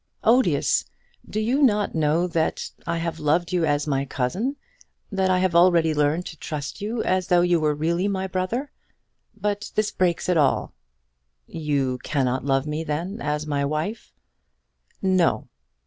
"Odious! Do you not know that I have loved you as my cousin that I have already learned to trust you as though you were really my brother? But this breaks it all." "You cannot love me then as my wife?" "No."